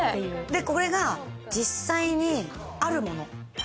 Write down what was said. これが実際に、あるもの。